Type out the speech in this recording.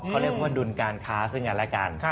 เขาเรียกว่าดุลการค้าซึ่งกันและกัน